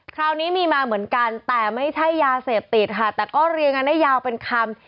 คราวนี้มีมาเหมือนกันแต่ไม่ใช่ยาเสพติดค่ะแต่ก็เรียงกันได้ยาวเป็นคำ